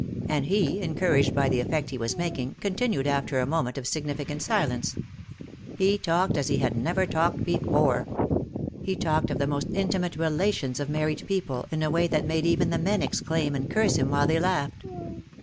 And he, encouraged by the effect he was making, continued after a moment of significant silence. He talked as he had never talked before. He talked of the most intimate relations of married people in a way that made even the men exclaim and curse him while they laughed.